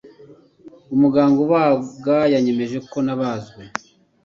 Umuganga ubaga yanyemeje ko nabazwe.